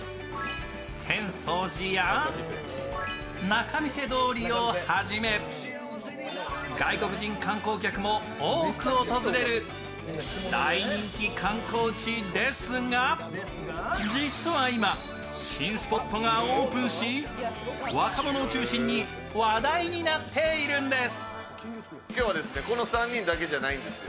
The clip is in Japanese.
浅草寺や仲見世通りをはじめ外国人観光客も多く訪れる大人気観光地ですが、実は今、新スポットがオープンし若者を中心に話題になっているんです。